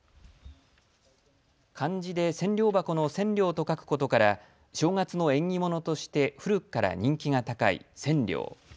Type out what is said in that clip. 漢字で千両箱の千両と書くことから正月の縁起物として古くから人気が高いセンリョウ。